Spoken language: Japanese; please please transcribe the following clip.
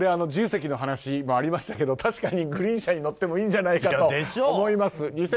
自由席の話もありましたが確かにグリーン車に乗ってもいいんじゃないかと思います。